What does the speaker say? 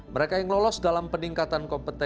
mereka yang lolos dalam peningkatan kompetensi